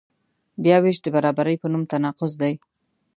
بیاوېش د برابرۍ په نوم تناقض دی.